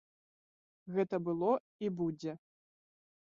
Гэта было і будзе.